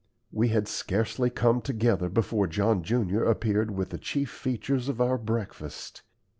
We had scarcely come together before John junior appeared with the chief features of our breakfast.